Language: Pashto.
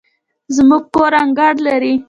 زموږ کور انګړ لري